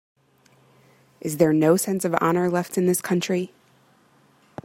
Is there no sense of honor left in this country?